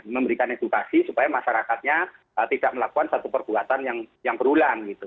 memberikan edukasi supaya masyarakatnya tidak melakukan satu perbuatan yang berulang gitu